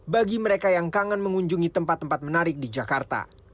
bagi mereka yang kangen mengunjungi tempat tempat menarik di jakarta